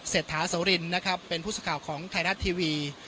เศรษฐาเสารินนะครับเป็นผู้สาขาของไทยนัดทีวี